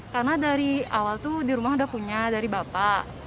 karena dari awal tuh di rumah udah punya dari bapak